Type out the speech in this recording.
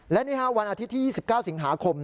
และนี่ฮะวันอาทิตย์ที่๒๙สิงหาคม